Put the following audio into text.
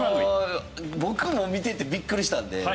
僕も見ててビックリしたので。